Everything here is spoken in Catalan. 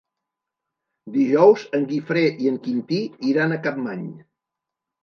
Dijous en Guifré i en Quintí iran a Capmany.